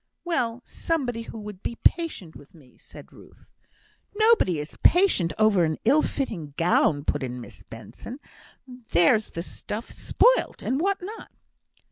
"Well! somebody who would be patient with me," said Ruth. "Nobody is patient over an ill fitting gown," put in Miss Benson. "There's the stuff spoilt, and what not!"